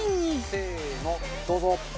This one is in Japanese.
せーのどうぞ！